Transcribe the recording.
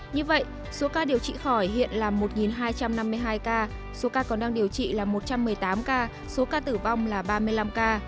như vậy số ca điều trị khỏi hiện là một hai trăm năm mươi hai ca số ca còn đang điều trị là một trăm một mươi tám ca số ca tử vong là ba mươi năm ca